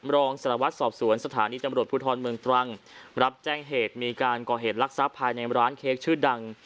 รองสารวัตรสอบสวนสถานีตำรวจภูทรเมืองตรังรับแจ้งเหตุมีการก่อเหตุลักษัพภายในร้านเค้กชื่อดัง